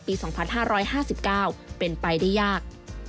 ปี๒๕๕๙เป็นไปได้ยาก